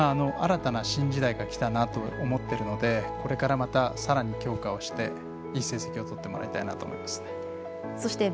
新たな新時代がきたなと思っているのでこれからまたさらに強化をしていい成績をとってもらいたいなと思います。